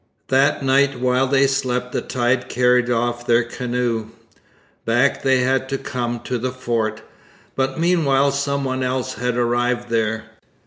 That night while they slept the tide carried off their canoe. Back they had to come to the fort. But meanwhile some one else had arrived there.